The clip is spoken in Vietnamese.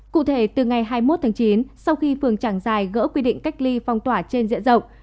cụ thể từ ngày hai mươi một tháng chín sau khi phường trảng dài gỡ quy định cách ly phong tỏa trên diện rộng